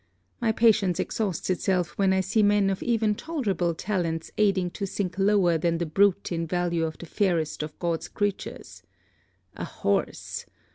My patience exhausts itself when I see men of even tolerable talents aiding to sink lower than the brute in value the fairest of God's creatures. A horse!